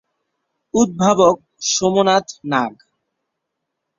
উদ্ভাবক সোমনাথ নাগ।